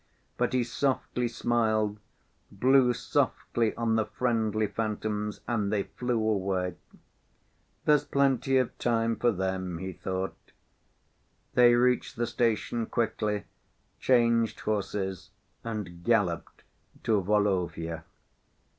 But he softly smiled, blew softly on the friendly phantoms, and they flew away. "There's plenty of time for them," he thought. They reached the station quickly, changed horses, and galloped to Volovya.